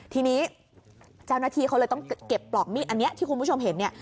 ทีนี้เจ้าหน้าที่เขาเลยต้องเก็บปลอกมีดอันนี้ที่คุณผู้ชมเห็นเนี่ย